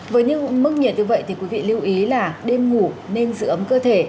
với những mức nhiệt như vậy thì quý vị lưu ý là đêm ngủ nên giữ ấm cơ thể